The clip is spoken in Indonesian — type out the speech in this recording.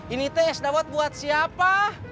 ini teh yang sudah buat buat siapa